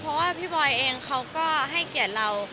เพราะว่าพี่บอยเองเขาก็ให้เกียรติเรา